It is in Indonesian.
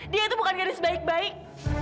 dia itu bukan garis baik baik